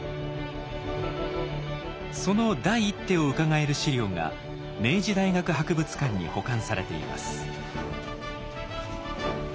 その第一手をうかがえる史料が明治大学博物館に保管されています。